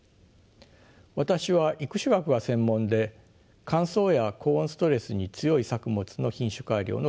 私は育種学が専門で乾燥や高温ストレスに強い作物の品種改良の研究をしています。